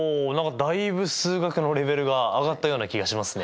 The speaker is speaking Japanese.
だいぶ数学のレベルがあがったような気がしますね。